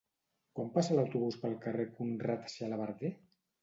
Quan passa l'autobús pel carrer Conrad Xalabarder?